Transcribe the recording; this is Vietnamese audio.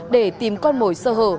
để tìm con mồi sơ hở